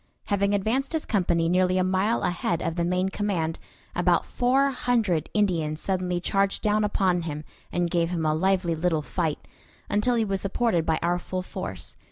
Having advanced his company nearly a mile ahead of the main command, about four hundred Indians suddenly charged down upon him and gave him a lively little fight, until he was supported by our full force.